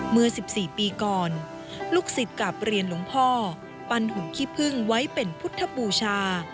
เมื่อ๑๔ปีก่อนลูกศิษย์กลับเรียนหลวงพ่อปั้นหุ่นขี้พึ่งไว้เป็นพุทธบูชา